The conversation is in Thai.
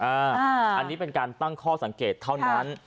อันนี้เป็นการตั้งข้อสังเกตเท่านั้น